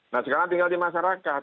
nah sekarang tinggal di masyarakat